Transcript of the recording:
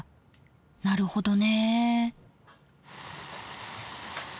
なるほどね。